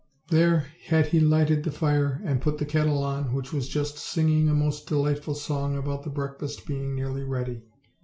there had he lighted the fire and put the kettle on, which was just singing a most delightful song about the breakfast being nearly ready.